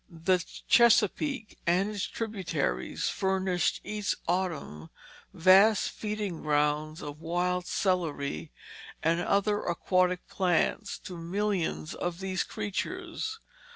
The Chesapeake and its tributaries furnished each autumn vast feeding grounds of wild celery and other aquatic plants to millions of those creatures.